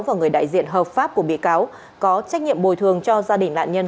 và người đại diện hợp pháp của bị cáo có trách nhiệm bồi thường cho gia đình nạn nhân